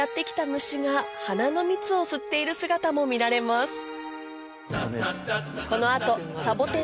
虫が花の蜜を吸っている姿も見られますお？